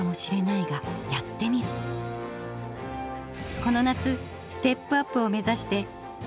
この夏ステップアップを目指してみ